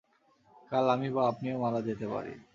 কাল আমি বা আপনিও মারা যেতে পারি।